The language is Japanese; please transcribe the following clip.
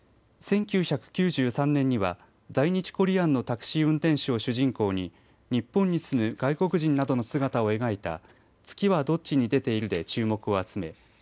１９９３年には在日コリアンのタクシー運転手を主人公に日本に住む外国人などの姿を描いた「月はどっちに出ている」で注目を集め